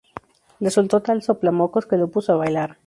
Le soltó tal soplamocos que lo puso a bailar